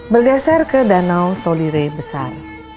bergeser ke danau tolire besar